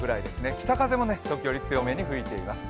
北風も時折強めに吹いています。